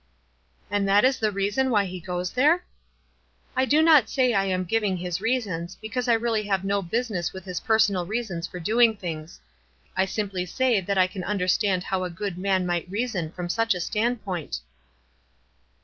"And that is the reason why he goes there?" "I do not say I am giving his reasons, be cause I really have no business with his personal reasons for doing things. I simply say that I can understand how a good man might reason from such a standpoint."